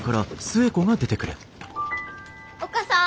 おっ母さん